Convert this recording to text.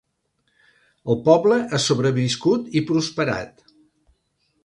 El poble ha sobreviscut i prosperat.